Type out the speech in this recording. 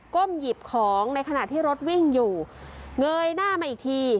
้มหยิบของในขณะที่รถวิ่งอยู่เงยหน้ามาอีกที